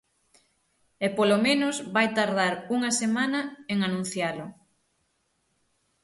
E polo menos vai tardar unha semana en anuncialo.